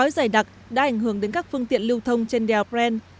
xảy đặc đã ảnh hưởng đến các phương tiện lưu thông trên đèo pren